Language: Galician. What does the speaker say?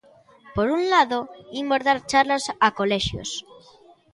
Por un lado, imos dar charlas a colexios.